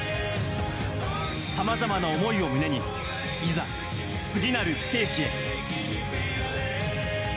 さまざまな思いを胸に、いざ次なるステージへ。